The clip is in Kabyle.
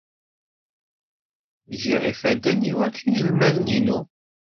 Giɣ ifadden i wakk inelmaden-inu.